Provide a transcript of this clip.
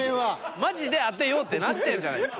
マジで当てようってなってんじゃないすか。